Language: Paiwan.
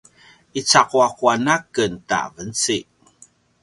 icaquaquan a ken ta vencik